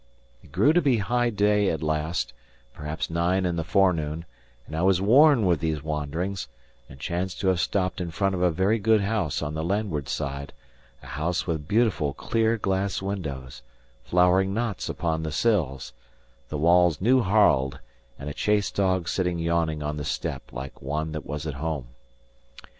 It grew to be high day at last, perhaps nine in the forenoon; and I was worn with these wanderings, and chanced to have stopped in front of a very good house on the landward side, a house with beautiful, clear glass windows, flowering knots upon the sills, the walls new harled* and a chase dog sitting yawning on the step like one that was at home.